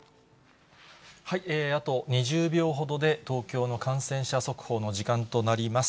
あと２０秒ほどで、東京の感染者速報の時間となります。